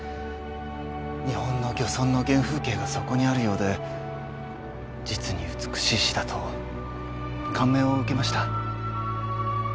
日本の漁村の原風景がそこにあるようで実に美しい詩だと感銘を受けました。